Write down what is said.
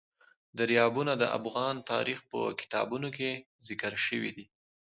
دریابونه د افغان تاریخ په کتابونو کې ذکر شوی دي.